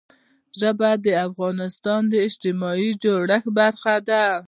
ژبې د افغانستان د اجتماعي جوړښت برخه ده.